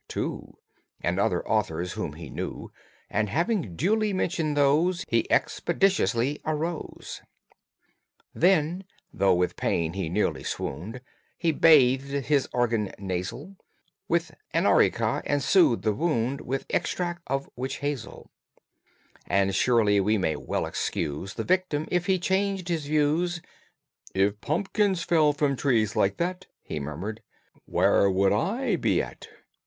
too, And other authors whom he knew, And having duly mentioned those, He expeditiously arose. Then, though with pain he nearly swooned, He bathed his organ nasal With arnica, and soothed the wound With extract of witch hazel; And surely we may well excuse The victim if he changed his views: "If pumpkins fell from trees like that," He murmured, "Where would I be at?"